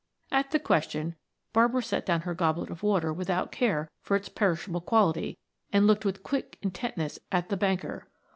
At the question Barbara set down her goblet of water without care for its perishable quality and looked with quick intentness at the banker.